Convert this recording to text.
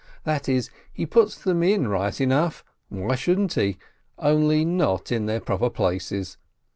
That is, he puts them in right enough, why shouldn't he? only not in their proper places.